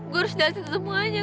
gue harus jelasin semuanya